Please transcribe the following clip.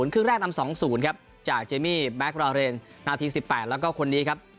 ครึ่งแรกนำ๒๐ครับจากเจมี่แบ็คราเรนนาที๑๘แล้วก็คนนี้ครับ